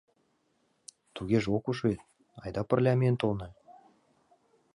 — Тугеже ок уж вет, айда пырля миен толына?